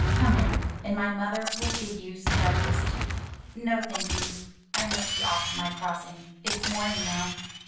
"Come in, and my mother will give you some breakfast." "No, thank you. I must be off to my crossing. It's morn ing now."